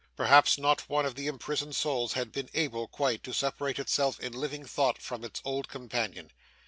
Perhaps not one of the imprisoned souls had been able quite to separate itself in living thought from its old companion.